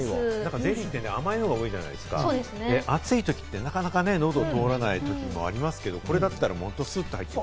ゼリーって甘いのが多いじゃないですか、暑いときってなかなかね、喉を通らないこともありますけれども、これだったらスッと入る。